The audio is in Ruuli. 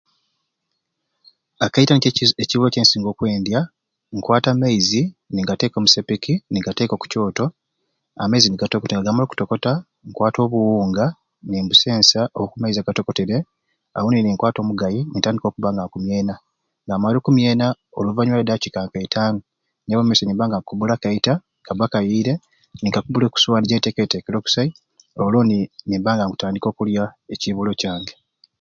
Akaita nikyo kizi kiibuli kyensinga okwendya n'okwata amaizi ningateeka omu sepiki ningateeka oku Kyoto amaizi nigatokota nigamala okutokota nkwata obuwunga ni mbusensa oku maizi agatokotere awoni ninkwata omugai nintandika okubba nga nkumyena nga mmaale okumyena oluvanyuma lwa dakiika ka itaanu nyaba omu maiso nimba nga nkwibula akaita kabba kaiire ni nkakubbula oku sowaani gyentekereteekere okusai olwoni nintandika okubba nga nkulya ekiibulo kyange.